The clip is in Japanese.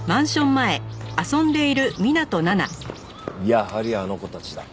やはりあの子たちだ。